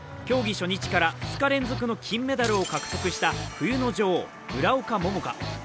競技初日から２日連続の金メダルを獲得した冬の女王、村岡桃佳。